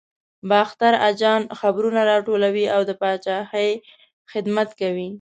باختر اجان خبرونه راټولوي او د پاچاهۍ خدمت کوي.